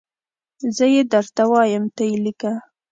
زه یي درته وایم ته یي لیکه